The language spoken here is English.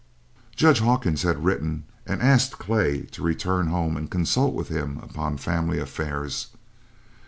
Judge Hawkins had written and asked Clay to return home and consult with him upon family affairs.